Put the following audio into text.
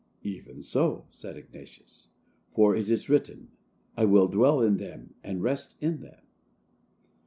"Even so," said Ignatius; "for it is written, 'I will dwell in them and rest in them.